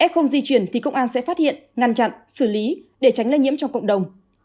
không di chuyển thì công an sẽ phát hiện ngăn chặn xử lý để tránh lây nhiễm trong cộng đồng